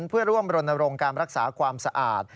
เพื่อร่วมรณรงค์การรักษาความสะอาด